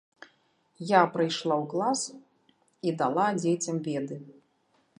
Я прыйшла ў клас і дала дзецям веды.